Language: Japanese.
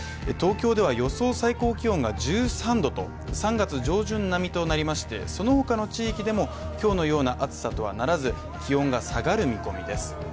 東京では予想最高気温が１３度と３月上旬並みとなりましてそのほかの地域でも今日のような暑さとはならず気温が下がる見込みです。